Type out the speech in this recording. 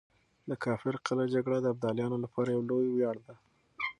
د کافر قلعه جګړه د ابدالیانو لپاره يو لوی وياړ دی.